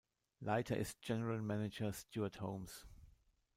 Leiter ist General Manager Stuart Holmes.